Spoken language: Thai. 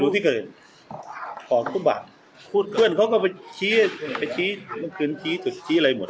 ตรวจที่เกิดขอบทุกบาทขูดเพื่อนเค้าก็ไปชี้ไปชี้ตัวตัวชี้อะไรหมด